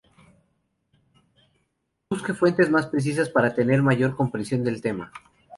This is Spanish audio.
Busque fuentes más precisas para tener mayor comprensión del tema.